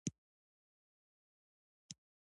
آیا د ډالر نرخ په بیو اغیز لري؟